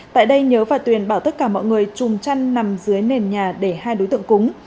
tại đây nhớ và tuyền bảo tất cả mọi người trùm chăn nằm dưới nền nhà để hai đối tượng cúng